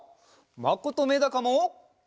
まことめだかも！